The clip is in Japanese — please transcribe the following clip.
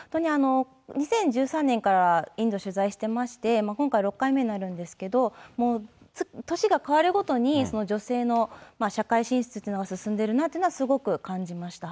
２０１３年からインド取材してまして、今回６回目になるんですけど、もう年が変わるごとに女性の社会進出というのが進んでいるなとすごく感じました。